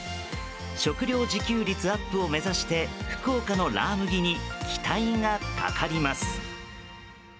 食料自給率アップを目指して福岡のラー麦に期待がかかります。